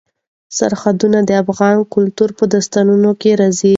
سرحدونه د افغان کلتور په داستانونو کې راځي.